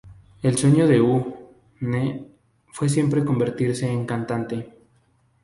El sueño de U;nee fue siempre convertirse en cantante.